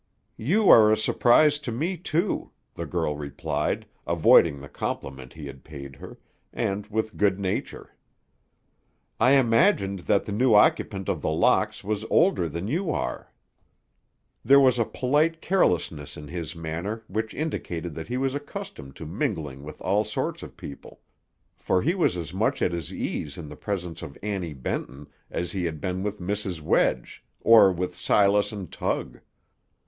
"You are a surprise to me, too," the girl replied, avoiding the compliment he had paid her, and with good nature. "I imagined that the new occupant of The Locks was older than you are." There was a polite carelessness in his manner which indicated that he was accustomed to mingling with all sorts of people; for he was as much at his ease in the presence of Annie Benton as he had been with Mrs. Wedge, or with Silas and Tug.